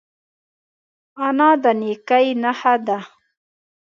انا د نیکۍ نښه ده